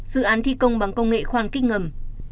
dự án thi công bằng công nghệ khoan kích ngầm